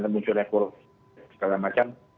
dan munculnya kurus segala macam